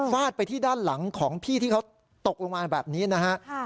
ไปที่ด้านหลังของพี่ที่เขาตกลงมาแบบนี้นะฮะ